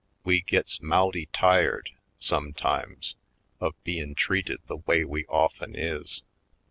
We gits mouty tired, sometimes, of bein' treated the way we of 'en is.